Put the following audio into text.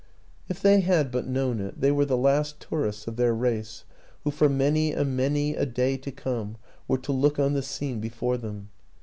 If they had but known it, they were the last tourists of their race who for many and many a day to come were to look on the scene before them.